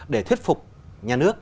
để thuyết phục nhà nước